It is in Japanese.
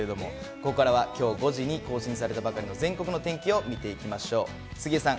ここからはきょう５時に更新されたばかりの全国の天気を見ていきましょう。